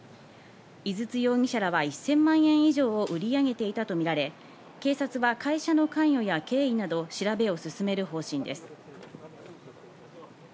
井筒容疑者らは１０００万円以上を売り上げていたとみられ、警察は会社の関与や経緯などを調べを進める方針です。